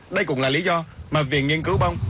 đây cũng là lý do mà viện nghiên cứu bông